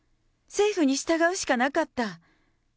政府に従うしかなかった。